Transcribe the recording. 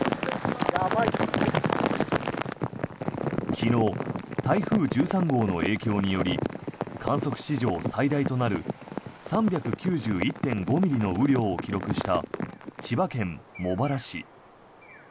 昨日、台風１３号の影響により観測史上最大となる３９１．５ミリの雨量を記録した千葉県茂原市。